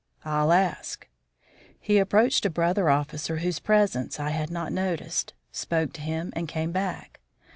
"I'll ask." He approached a brother officer whose presence I had not noticed, spoke to him, and came back.